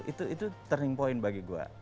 itu turning point bagi gue